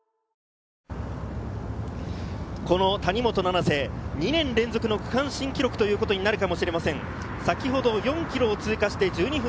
この谷本七星、２年連続の区間新記録ということになるかもしれません。